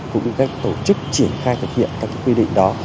của những cái tổ chức triển khai thực hiện các cái quy định đó